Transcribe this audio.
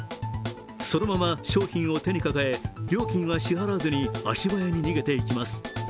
そのまま商品を手に抱え、料金は支払わずに足早に逃げていきます。